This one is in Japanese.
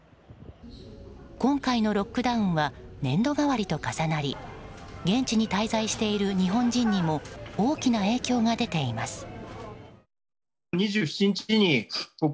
今回のロックダウンは年度変わりと重なり現地に滞在している日本人にも大きな影響が出ています。